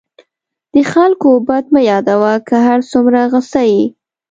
د خلکو بد مه یادوه، که هر څومره غصه یې.